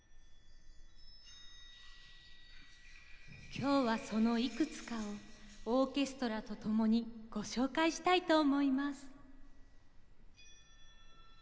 今日はそのいくつかをオーケストラと共にご紹介したいと思います。